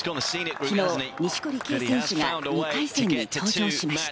昨日、錦織圭選手が２回戦に登場しました。